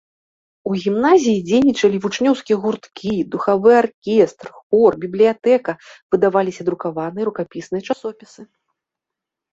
У гімназіі дзейнічалі вучнёўскія гурткі, духавы аркестр, хор, бібліятэка, выдаваліся друкаваныя і рукапісныя часопісы.